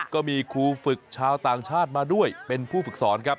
ก็มีครูฝึกชาวต่างชาติมาด้วยเป็นผู้ฝึกสอนครับ